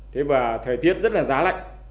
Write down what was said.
thế và thời tiết rất là giá lạnh